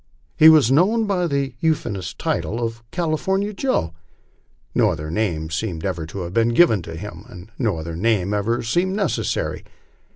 He was known by the euphonious title of "California Joe", no other name seemed ever to have been given him, and no other name ever seemed necessary.